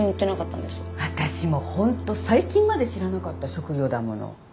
私も本当最近まで知らなかった職業だもの。